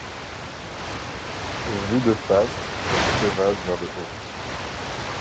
Vues de face, elles s’évasent vers le haut.